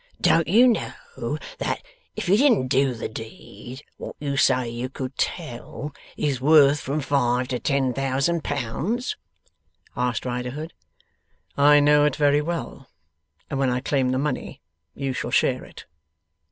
'Don't you know that, if you didn't do the deed, what you say you could tell is worth from five to ten thousand pound?' asked Riderhood. 'I know it very well, and when I claim the money you shall share it.